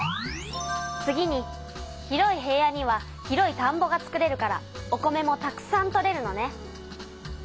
次に広い平野には広いたんぼが作れるからお米もたくさん取れるのね。